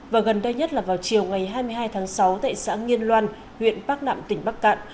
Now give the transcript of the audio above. và gần đây nhất là vào chiều ngày hai mươi hai tháng sáu tại xã nghiên loan huyện bắc nạm tỉnh bắc cạn